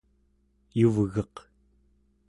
yuvgeq